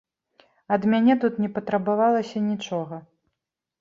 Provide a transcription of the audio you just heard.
Ад мяне тут не патрабавалася нічога.